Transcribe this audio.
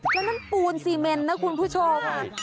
ก็ต้องปูนสีเมนนะคุณผู้ชม